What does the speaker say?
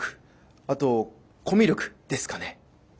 あとコミュ力ですかね。